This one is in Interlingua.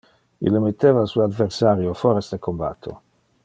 Ille mitteva su adversario foras de combatto.